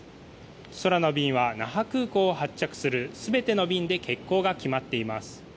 空の便は那覇空港を発着する全ての便で欠航が決まっています。